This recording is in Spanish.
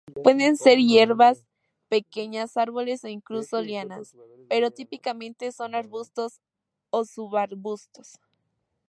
Pueden ser hierbas, pequeños árboles o incluso lianas, pero típicamente son arbustos o subarbustos.